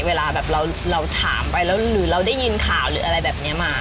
เวลาแบบเราถามไปแล้วหรือเราได้ยินข่าวหรืออะไรแบบนี้มา